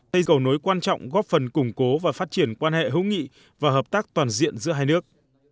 xây cầu nối quan trọng góp phần củng cố và phát triển quan hệ hữu nghị và hợp tác toàn diện giữa hai nước